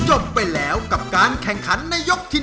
จบไปแล้วกับการแข่งขันในยกที่๑